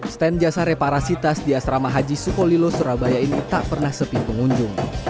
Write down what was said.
stand jasa reparasi tas di asrama haji sukolilo surabaya ini tak pernah sepi pengunjung